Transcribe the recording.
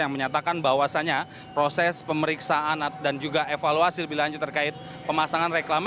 yang menyatakan bahwasannya proses pemeriksaan dan juga evaluasi lebih lanjut terkait pemasangan reklama